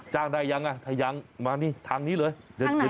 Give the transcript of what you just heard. จ้างได้ยังอ่ะถ้ายังมานี่ทางนี้เลยทางไหน